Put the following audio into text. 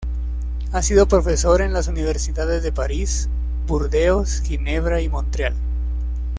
Ha sido profesor en las universidades de París, Burdeos, Ginebra y Montreal.